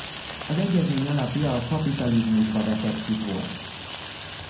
Az egyezmény alapja a kapitalizmusba vetett hit volt.